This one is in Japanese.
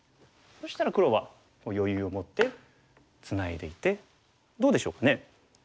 そしたら黒は余裕を持ってツナいでいてどうでしょうかね？